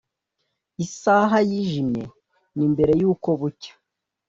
isaha yijimye ni mbere yuko bucya